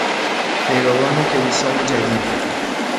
پیروان کلیسای جدید